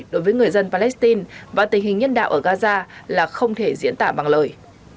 đối với người dân palestine và tình hình nhân đạo ở gaza là không thể diễn tả bằng lời